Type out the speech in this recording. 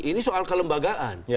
ini soal kelembagaan